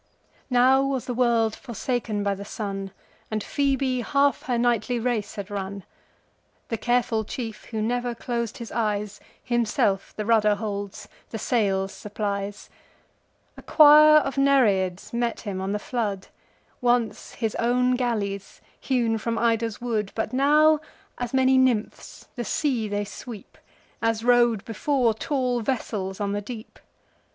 Now was the world forsaken by the sun, And Phoebe half her nightly race had run. The careful chief, who never clos'd his eyes, Himself the rudder holds, the sails supplies. A choir of Nereids meet him on the flood, Once his own galleys, hewn from Ida's wood; But now, as many nymphs, the sea they sweep, As rode, before, tall vessels on the deep.